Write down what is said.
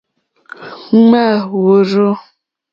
Ŋmáá wòrzô.